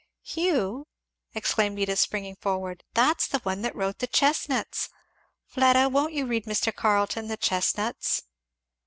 "Hugh!" exclaimed Edith springing forward, "that's the one that wrote the Chestnuts! Fleda, won't you read Mr. Carleton the Chestnuts?"